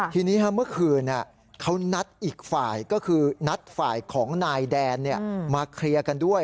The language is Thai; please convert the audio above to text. ทีนี้เมื่อคืนเขานัดอีกฝ่ายก็คือนัดฝ่ายของนายแดนมาเคลียร์กันด้วย